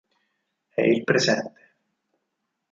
È il presente.